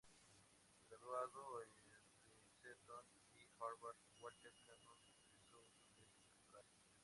Graduado en Princeton y Harvard, Walter Cannon supervisó su tesis doctoral.